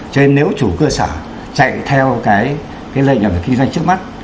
cho nên nếu chủ cơ sở chạy theo cái lệnh kinh doanh trước mắt